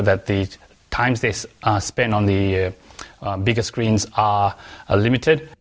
waktu yang dihabiskan pada skrin yang lebih besar adalah terbatas